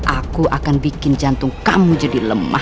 aku akan bikin jantung kamu jadi lemah